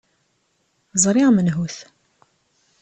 Ẓriɣ menhu-t.